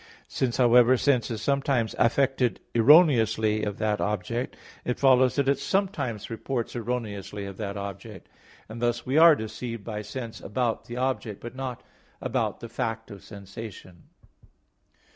Since, however, sense is sometimes affected erroneously of that object, it follows that it sometimes reports erroneously of that object; and thus we are deceived by sense about the object, but not about the fact of sensation.